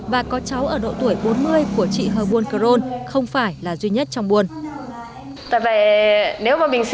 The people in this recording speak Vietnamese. và có cháu ở độ tuổi bốn mươi của chị hơ buôn cờ rôn không phải là duy nhất trong buôn